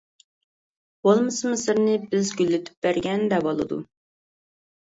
بولمىسا مىسىرنى بىز گۈللىتىپ بەرگەن دەۋالىدۇ.